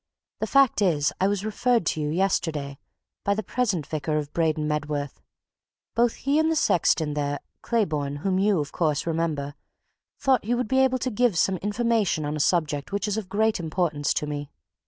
"The fact is, I was referred to you, yesterday, by the present vicar of Braden Medworth both he, and the sexton there, Claybourne, whom you, of course, remember, thought you would be able to give me some information on a subject which is of great importance to me."